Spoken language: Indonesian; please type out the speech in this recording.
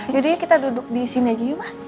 yaudah ya kita duduk di sini aja ya ma